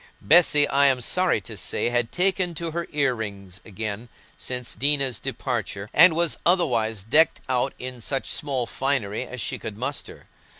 Bessy, I am sorry to say, had taken to her ear rings again since Dinah's departure, and was otherwise decked out in such small finery as she could muster.